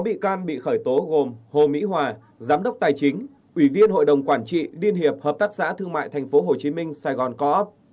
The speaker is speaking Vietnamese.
sáu bị can bị khởi tố gồm hồ mỹ hòa giám đốc tài chính ủy viên hội đồng quản trị liên hiệp hợp tác xã thương mại tp hcm sài gòn co op